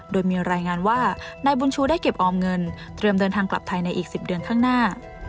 โดยมีรายงานว่านายบุญชูได้เก็บออมเงินเตรียมเดินทางกลับไทยในอีก๑๐เดือนข้างหน้า